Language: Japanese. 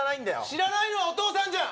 知らないのはお父さんじゃん！